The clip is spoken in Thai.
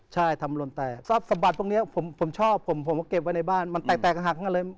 ใช่ทำหล่นแตกทรัพย์สัมบัติพวกนี้ผมผมชอบผมผมก็เก็บไว้ในบ้านมันแตกแตกหักหักเลย